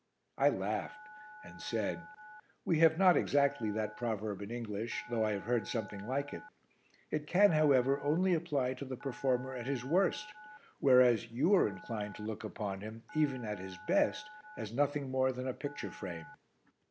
'" I laughed and said, "We have not exactly that proverb in English, though I have heard something like it. It can, however, only apply to the performer at his worst, whereas you are inclined to look upon him, even at his best, as nothing more than a picture frame."